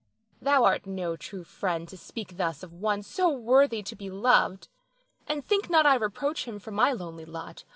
Thou art no true friend to speak thus of one so worthy to be loved. And think not I reproach him for my lonely lot.